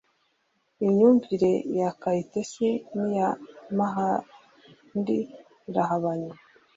imyumvire ya kayitesi n’iya madandi irahabanye